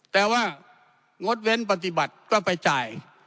แต่ว่างดเว้นปฏิบัติก็ไปจ่าย